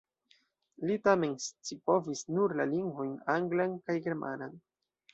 Li tamen scipovis nur la lingvojn anglan kaj germanan.